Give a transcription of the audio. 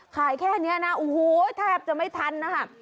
แค่นี้นะโอ้โหแทบจะไม่ทันนะครับ